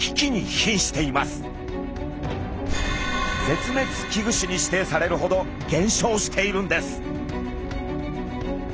絶滅危惧種に指定されるほど減少しているんです。